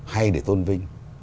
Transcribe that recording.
hay để tôn vinh